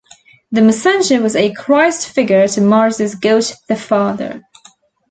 The Messenger was a Christ figure to Morris's God the Father.